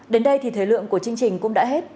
đến đây thì thời lượng của chương trình cũng đã hết